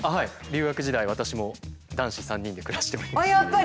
留学時代私も男子３人で暮らしておりました。